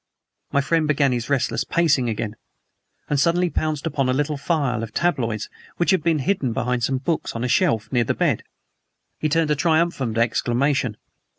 My friend began his restless pacing again, and suddenly pounced upon a little phial of tabloids which had been hidden behind some books on a shelf near the bed. He uttered a triumphant exclamation.